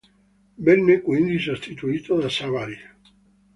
Venne quindi sostituito da Savary.